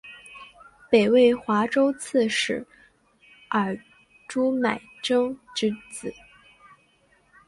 北魏华州刺史尔朱买珍之子。